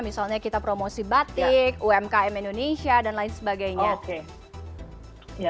misalnya kita promosi batik umkm indonesia dan lain sebagainya